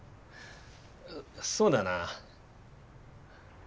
そうだな。